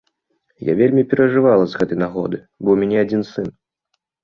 Я вельмі перажывала з гэтай нагоды, бо ў мяне адзін сын.